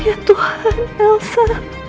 ya tuhan elsa